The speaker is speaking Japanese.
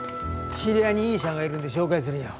知り合いにいい医者がいるんで紹介するよ。